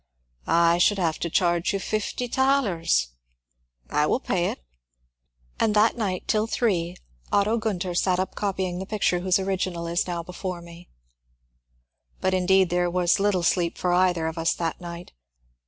^^Ah, I should have to charge you fifty thalers." ^' I will pay it." And that night till three Otto Gunther sat up copying the picture whose original is now before me. But indeed there was little sleep for either of us that night.